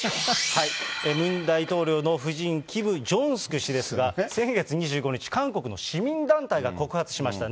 ムン大統領の夫人、キム・ジョンスク氏ですが、先月２５日、韓国の市民団体が告発しました。